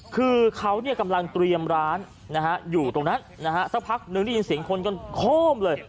คือเขากำลังเตรียมร้านอยู่ตรงนั้นนะฮะสักพักนึงได้ยินเสียงคนจนโค้มเลย